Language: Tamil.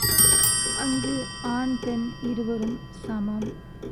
அங்கு ஆண் பெண் இருவரும் சமம்.